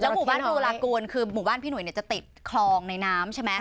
หมู่บ้านบูรากูลคือหมู่บ้านพี่หนุ่ยจะติดคลองในน้ำใช่ไหม